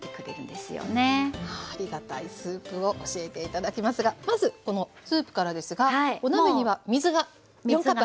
ありがたいスープを教えて頂きますがまずこのスープからですがお鍋には水が４カップ入っています。